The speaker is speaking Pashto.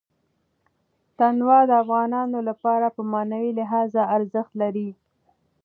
تنوع د افغانانو لپاره په معنوي لحاظ ارزښت لري.